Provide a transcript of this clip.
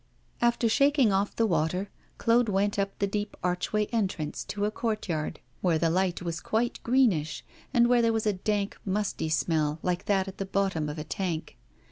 After shaking off the water, Claude went up the deep archway entrance, to a courtyard, where the light was quite greenish, and where there was a dank, musty smell, like that at the bottom of a tank.